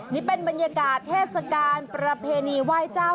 นี่เป็นบรรยากาศเทศกาลประเพณีไหว้เจ้า